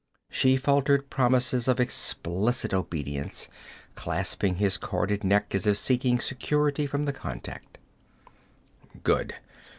She faltered promises of explicit obedience, clasping his corded neck as if seeking security from the contact. 'Good.